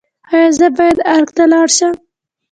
ایا زه باید ارګ ته لاړ شم؟